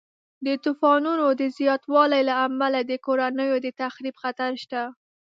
د طوفانونو د زیاتوالي له امله د کورنیو د تخریب خطر شته.